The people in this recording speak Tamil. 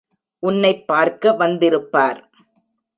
உன்னைப் பார்க்க வந்திருப்பார்.